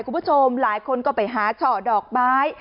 คุณผู้ชมหลายคนก็ไปหาช่อดอกไม้